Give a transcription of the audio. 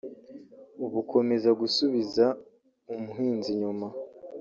bukomeza gusubiza umuhinzi inyuma